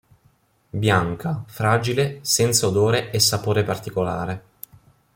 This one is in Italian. Bianca, fragile senza odore e sapore particolare.